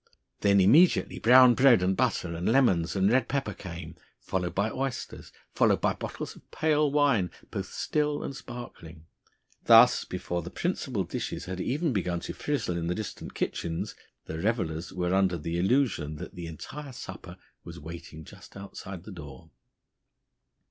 Then immediately brown bread and butter and lemons and red pepper came, followed by oysters, followed by bottles of pale wine, both still and sparkling. Thus, before the principal dishes had even begun to frizzle in the distant kitchens, the revellers were under the illusion that the entire supper was waiting just outside the door.